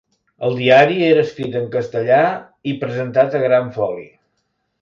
El diari era escrit en castellà i presentat a gran foli.